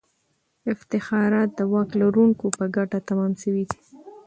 افتخارات د واک لرونکو په ګټه تمام سوي دي.